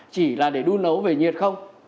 chỉ là để đun nấu về nhiệt không